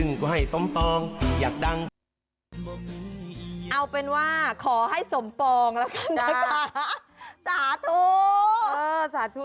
เอาเป็นว่าขอให้สมปองสาธุ